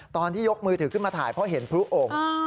ตอนที่ยกมือถือขึ้นมาถ่ายเพราะเห็นพลุองค์